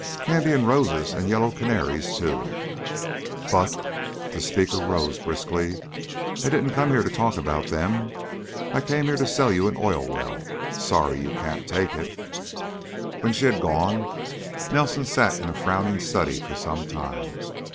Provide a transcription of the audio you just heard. Candy and roses and yellow canaries, too. But " the speaker rose, briskly "I didn't come here to talk about them; I came here to sell you an oil well. Sorry you can't take it." When she had gone Nelson sat in a frowning study for some time.